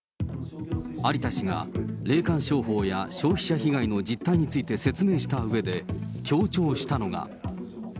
有田氏が、霊感商法や消費者被害の実態について説明したうえで、強調したのが。